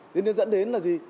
thế nên dẫn đến là gì